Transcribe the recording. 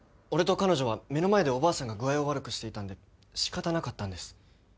俺と彼女は目の前でおばあさんが具合を悪くしていたんで仕方なかったんです。